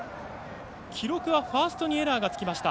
記録はファーストにエラーがつきました。